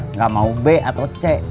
nggak mau b atau c